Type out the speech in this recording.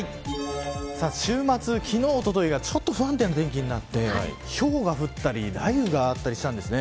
週末、昨日おとといがちょっと不安定な天気になってひょうが降ったり雷雨があったりしたんですね。